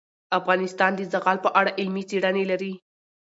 افغانستان د زغال په اړه علمي څېړنې لري.